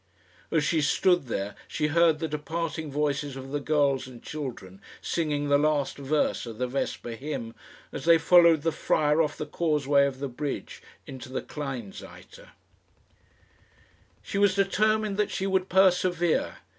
As she stood there she heard the departing voices of the girls and children singing the last verse of the vesper hymn, as they followed the friar off the causeway of the bridge into the Kleinseite. She was determined that she would persevere.